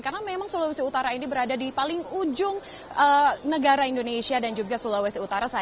karena memang sulawesi utara ini berada di paling ujung negara indonesia dan juga sulawesi utara